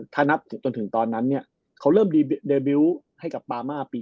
ถ้านับถึงตอน๑๒๕เขาเริ่มใจว่าให้บรามาปี๕๕